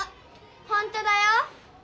ほんとだよ。